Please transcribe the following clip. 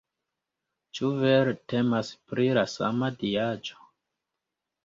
Ĉu vere temas pri la sama diaĵo?